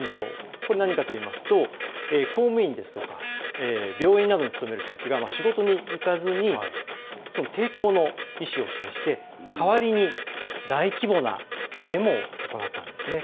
これは何かといいますと公務員ですとか病院などに勤める人たちが仕事に行かずに抵抗の意思を示して代わりに大規模なデモを行ったんですね。